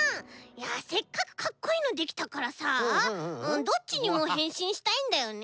いやせっかくかっこいいのできたからさどっちにもへんしんしたいんだよね。